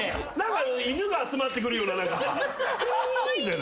犬が集まってくるような何か「ヒ」みたいな。